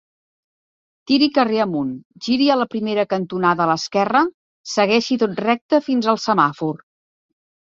Tiri carrer amunt, giri a la primera cantonada a l'esquerra, segueixi tot recte fins al semàfor.